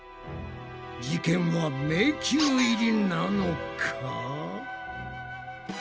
事件は迷宮入りなのか？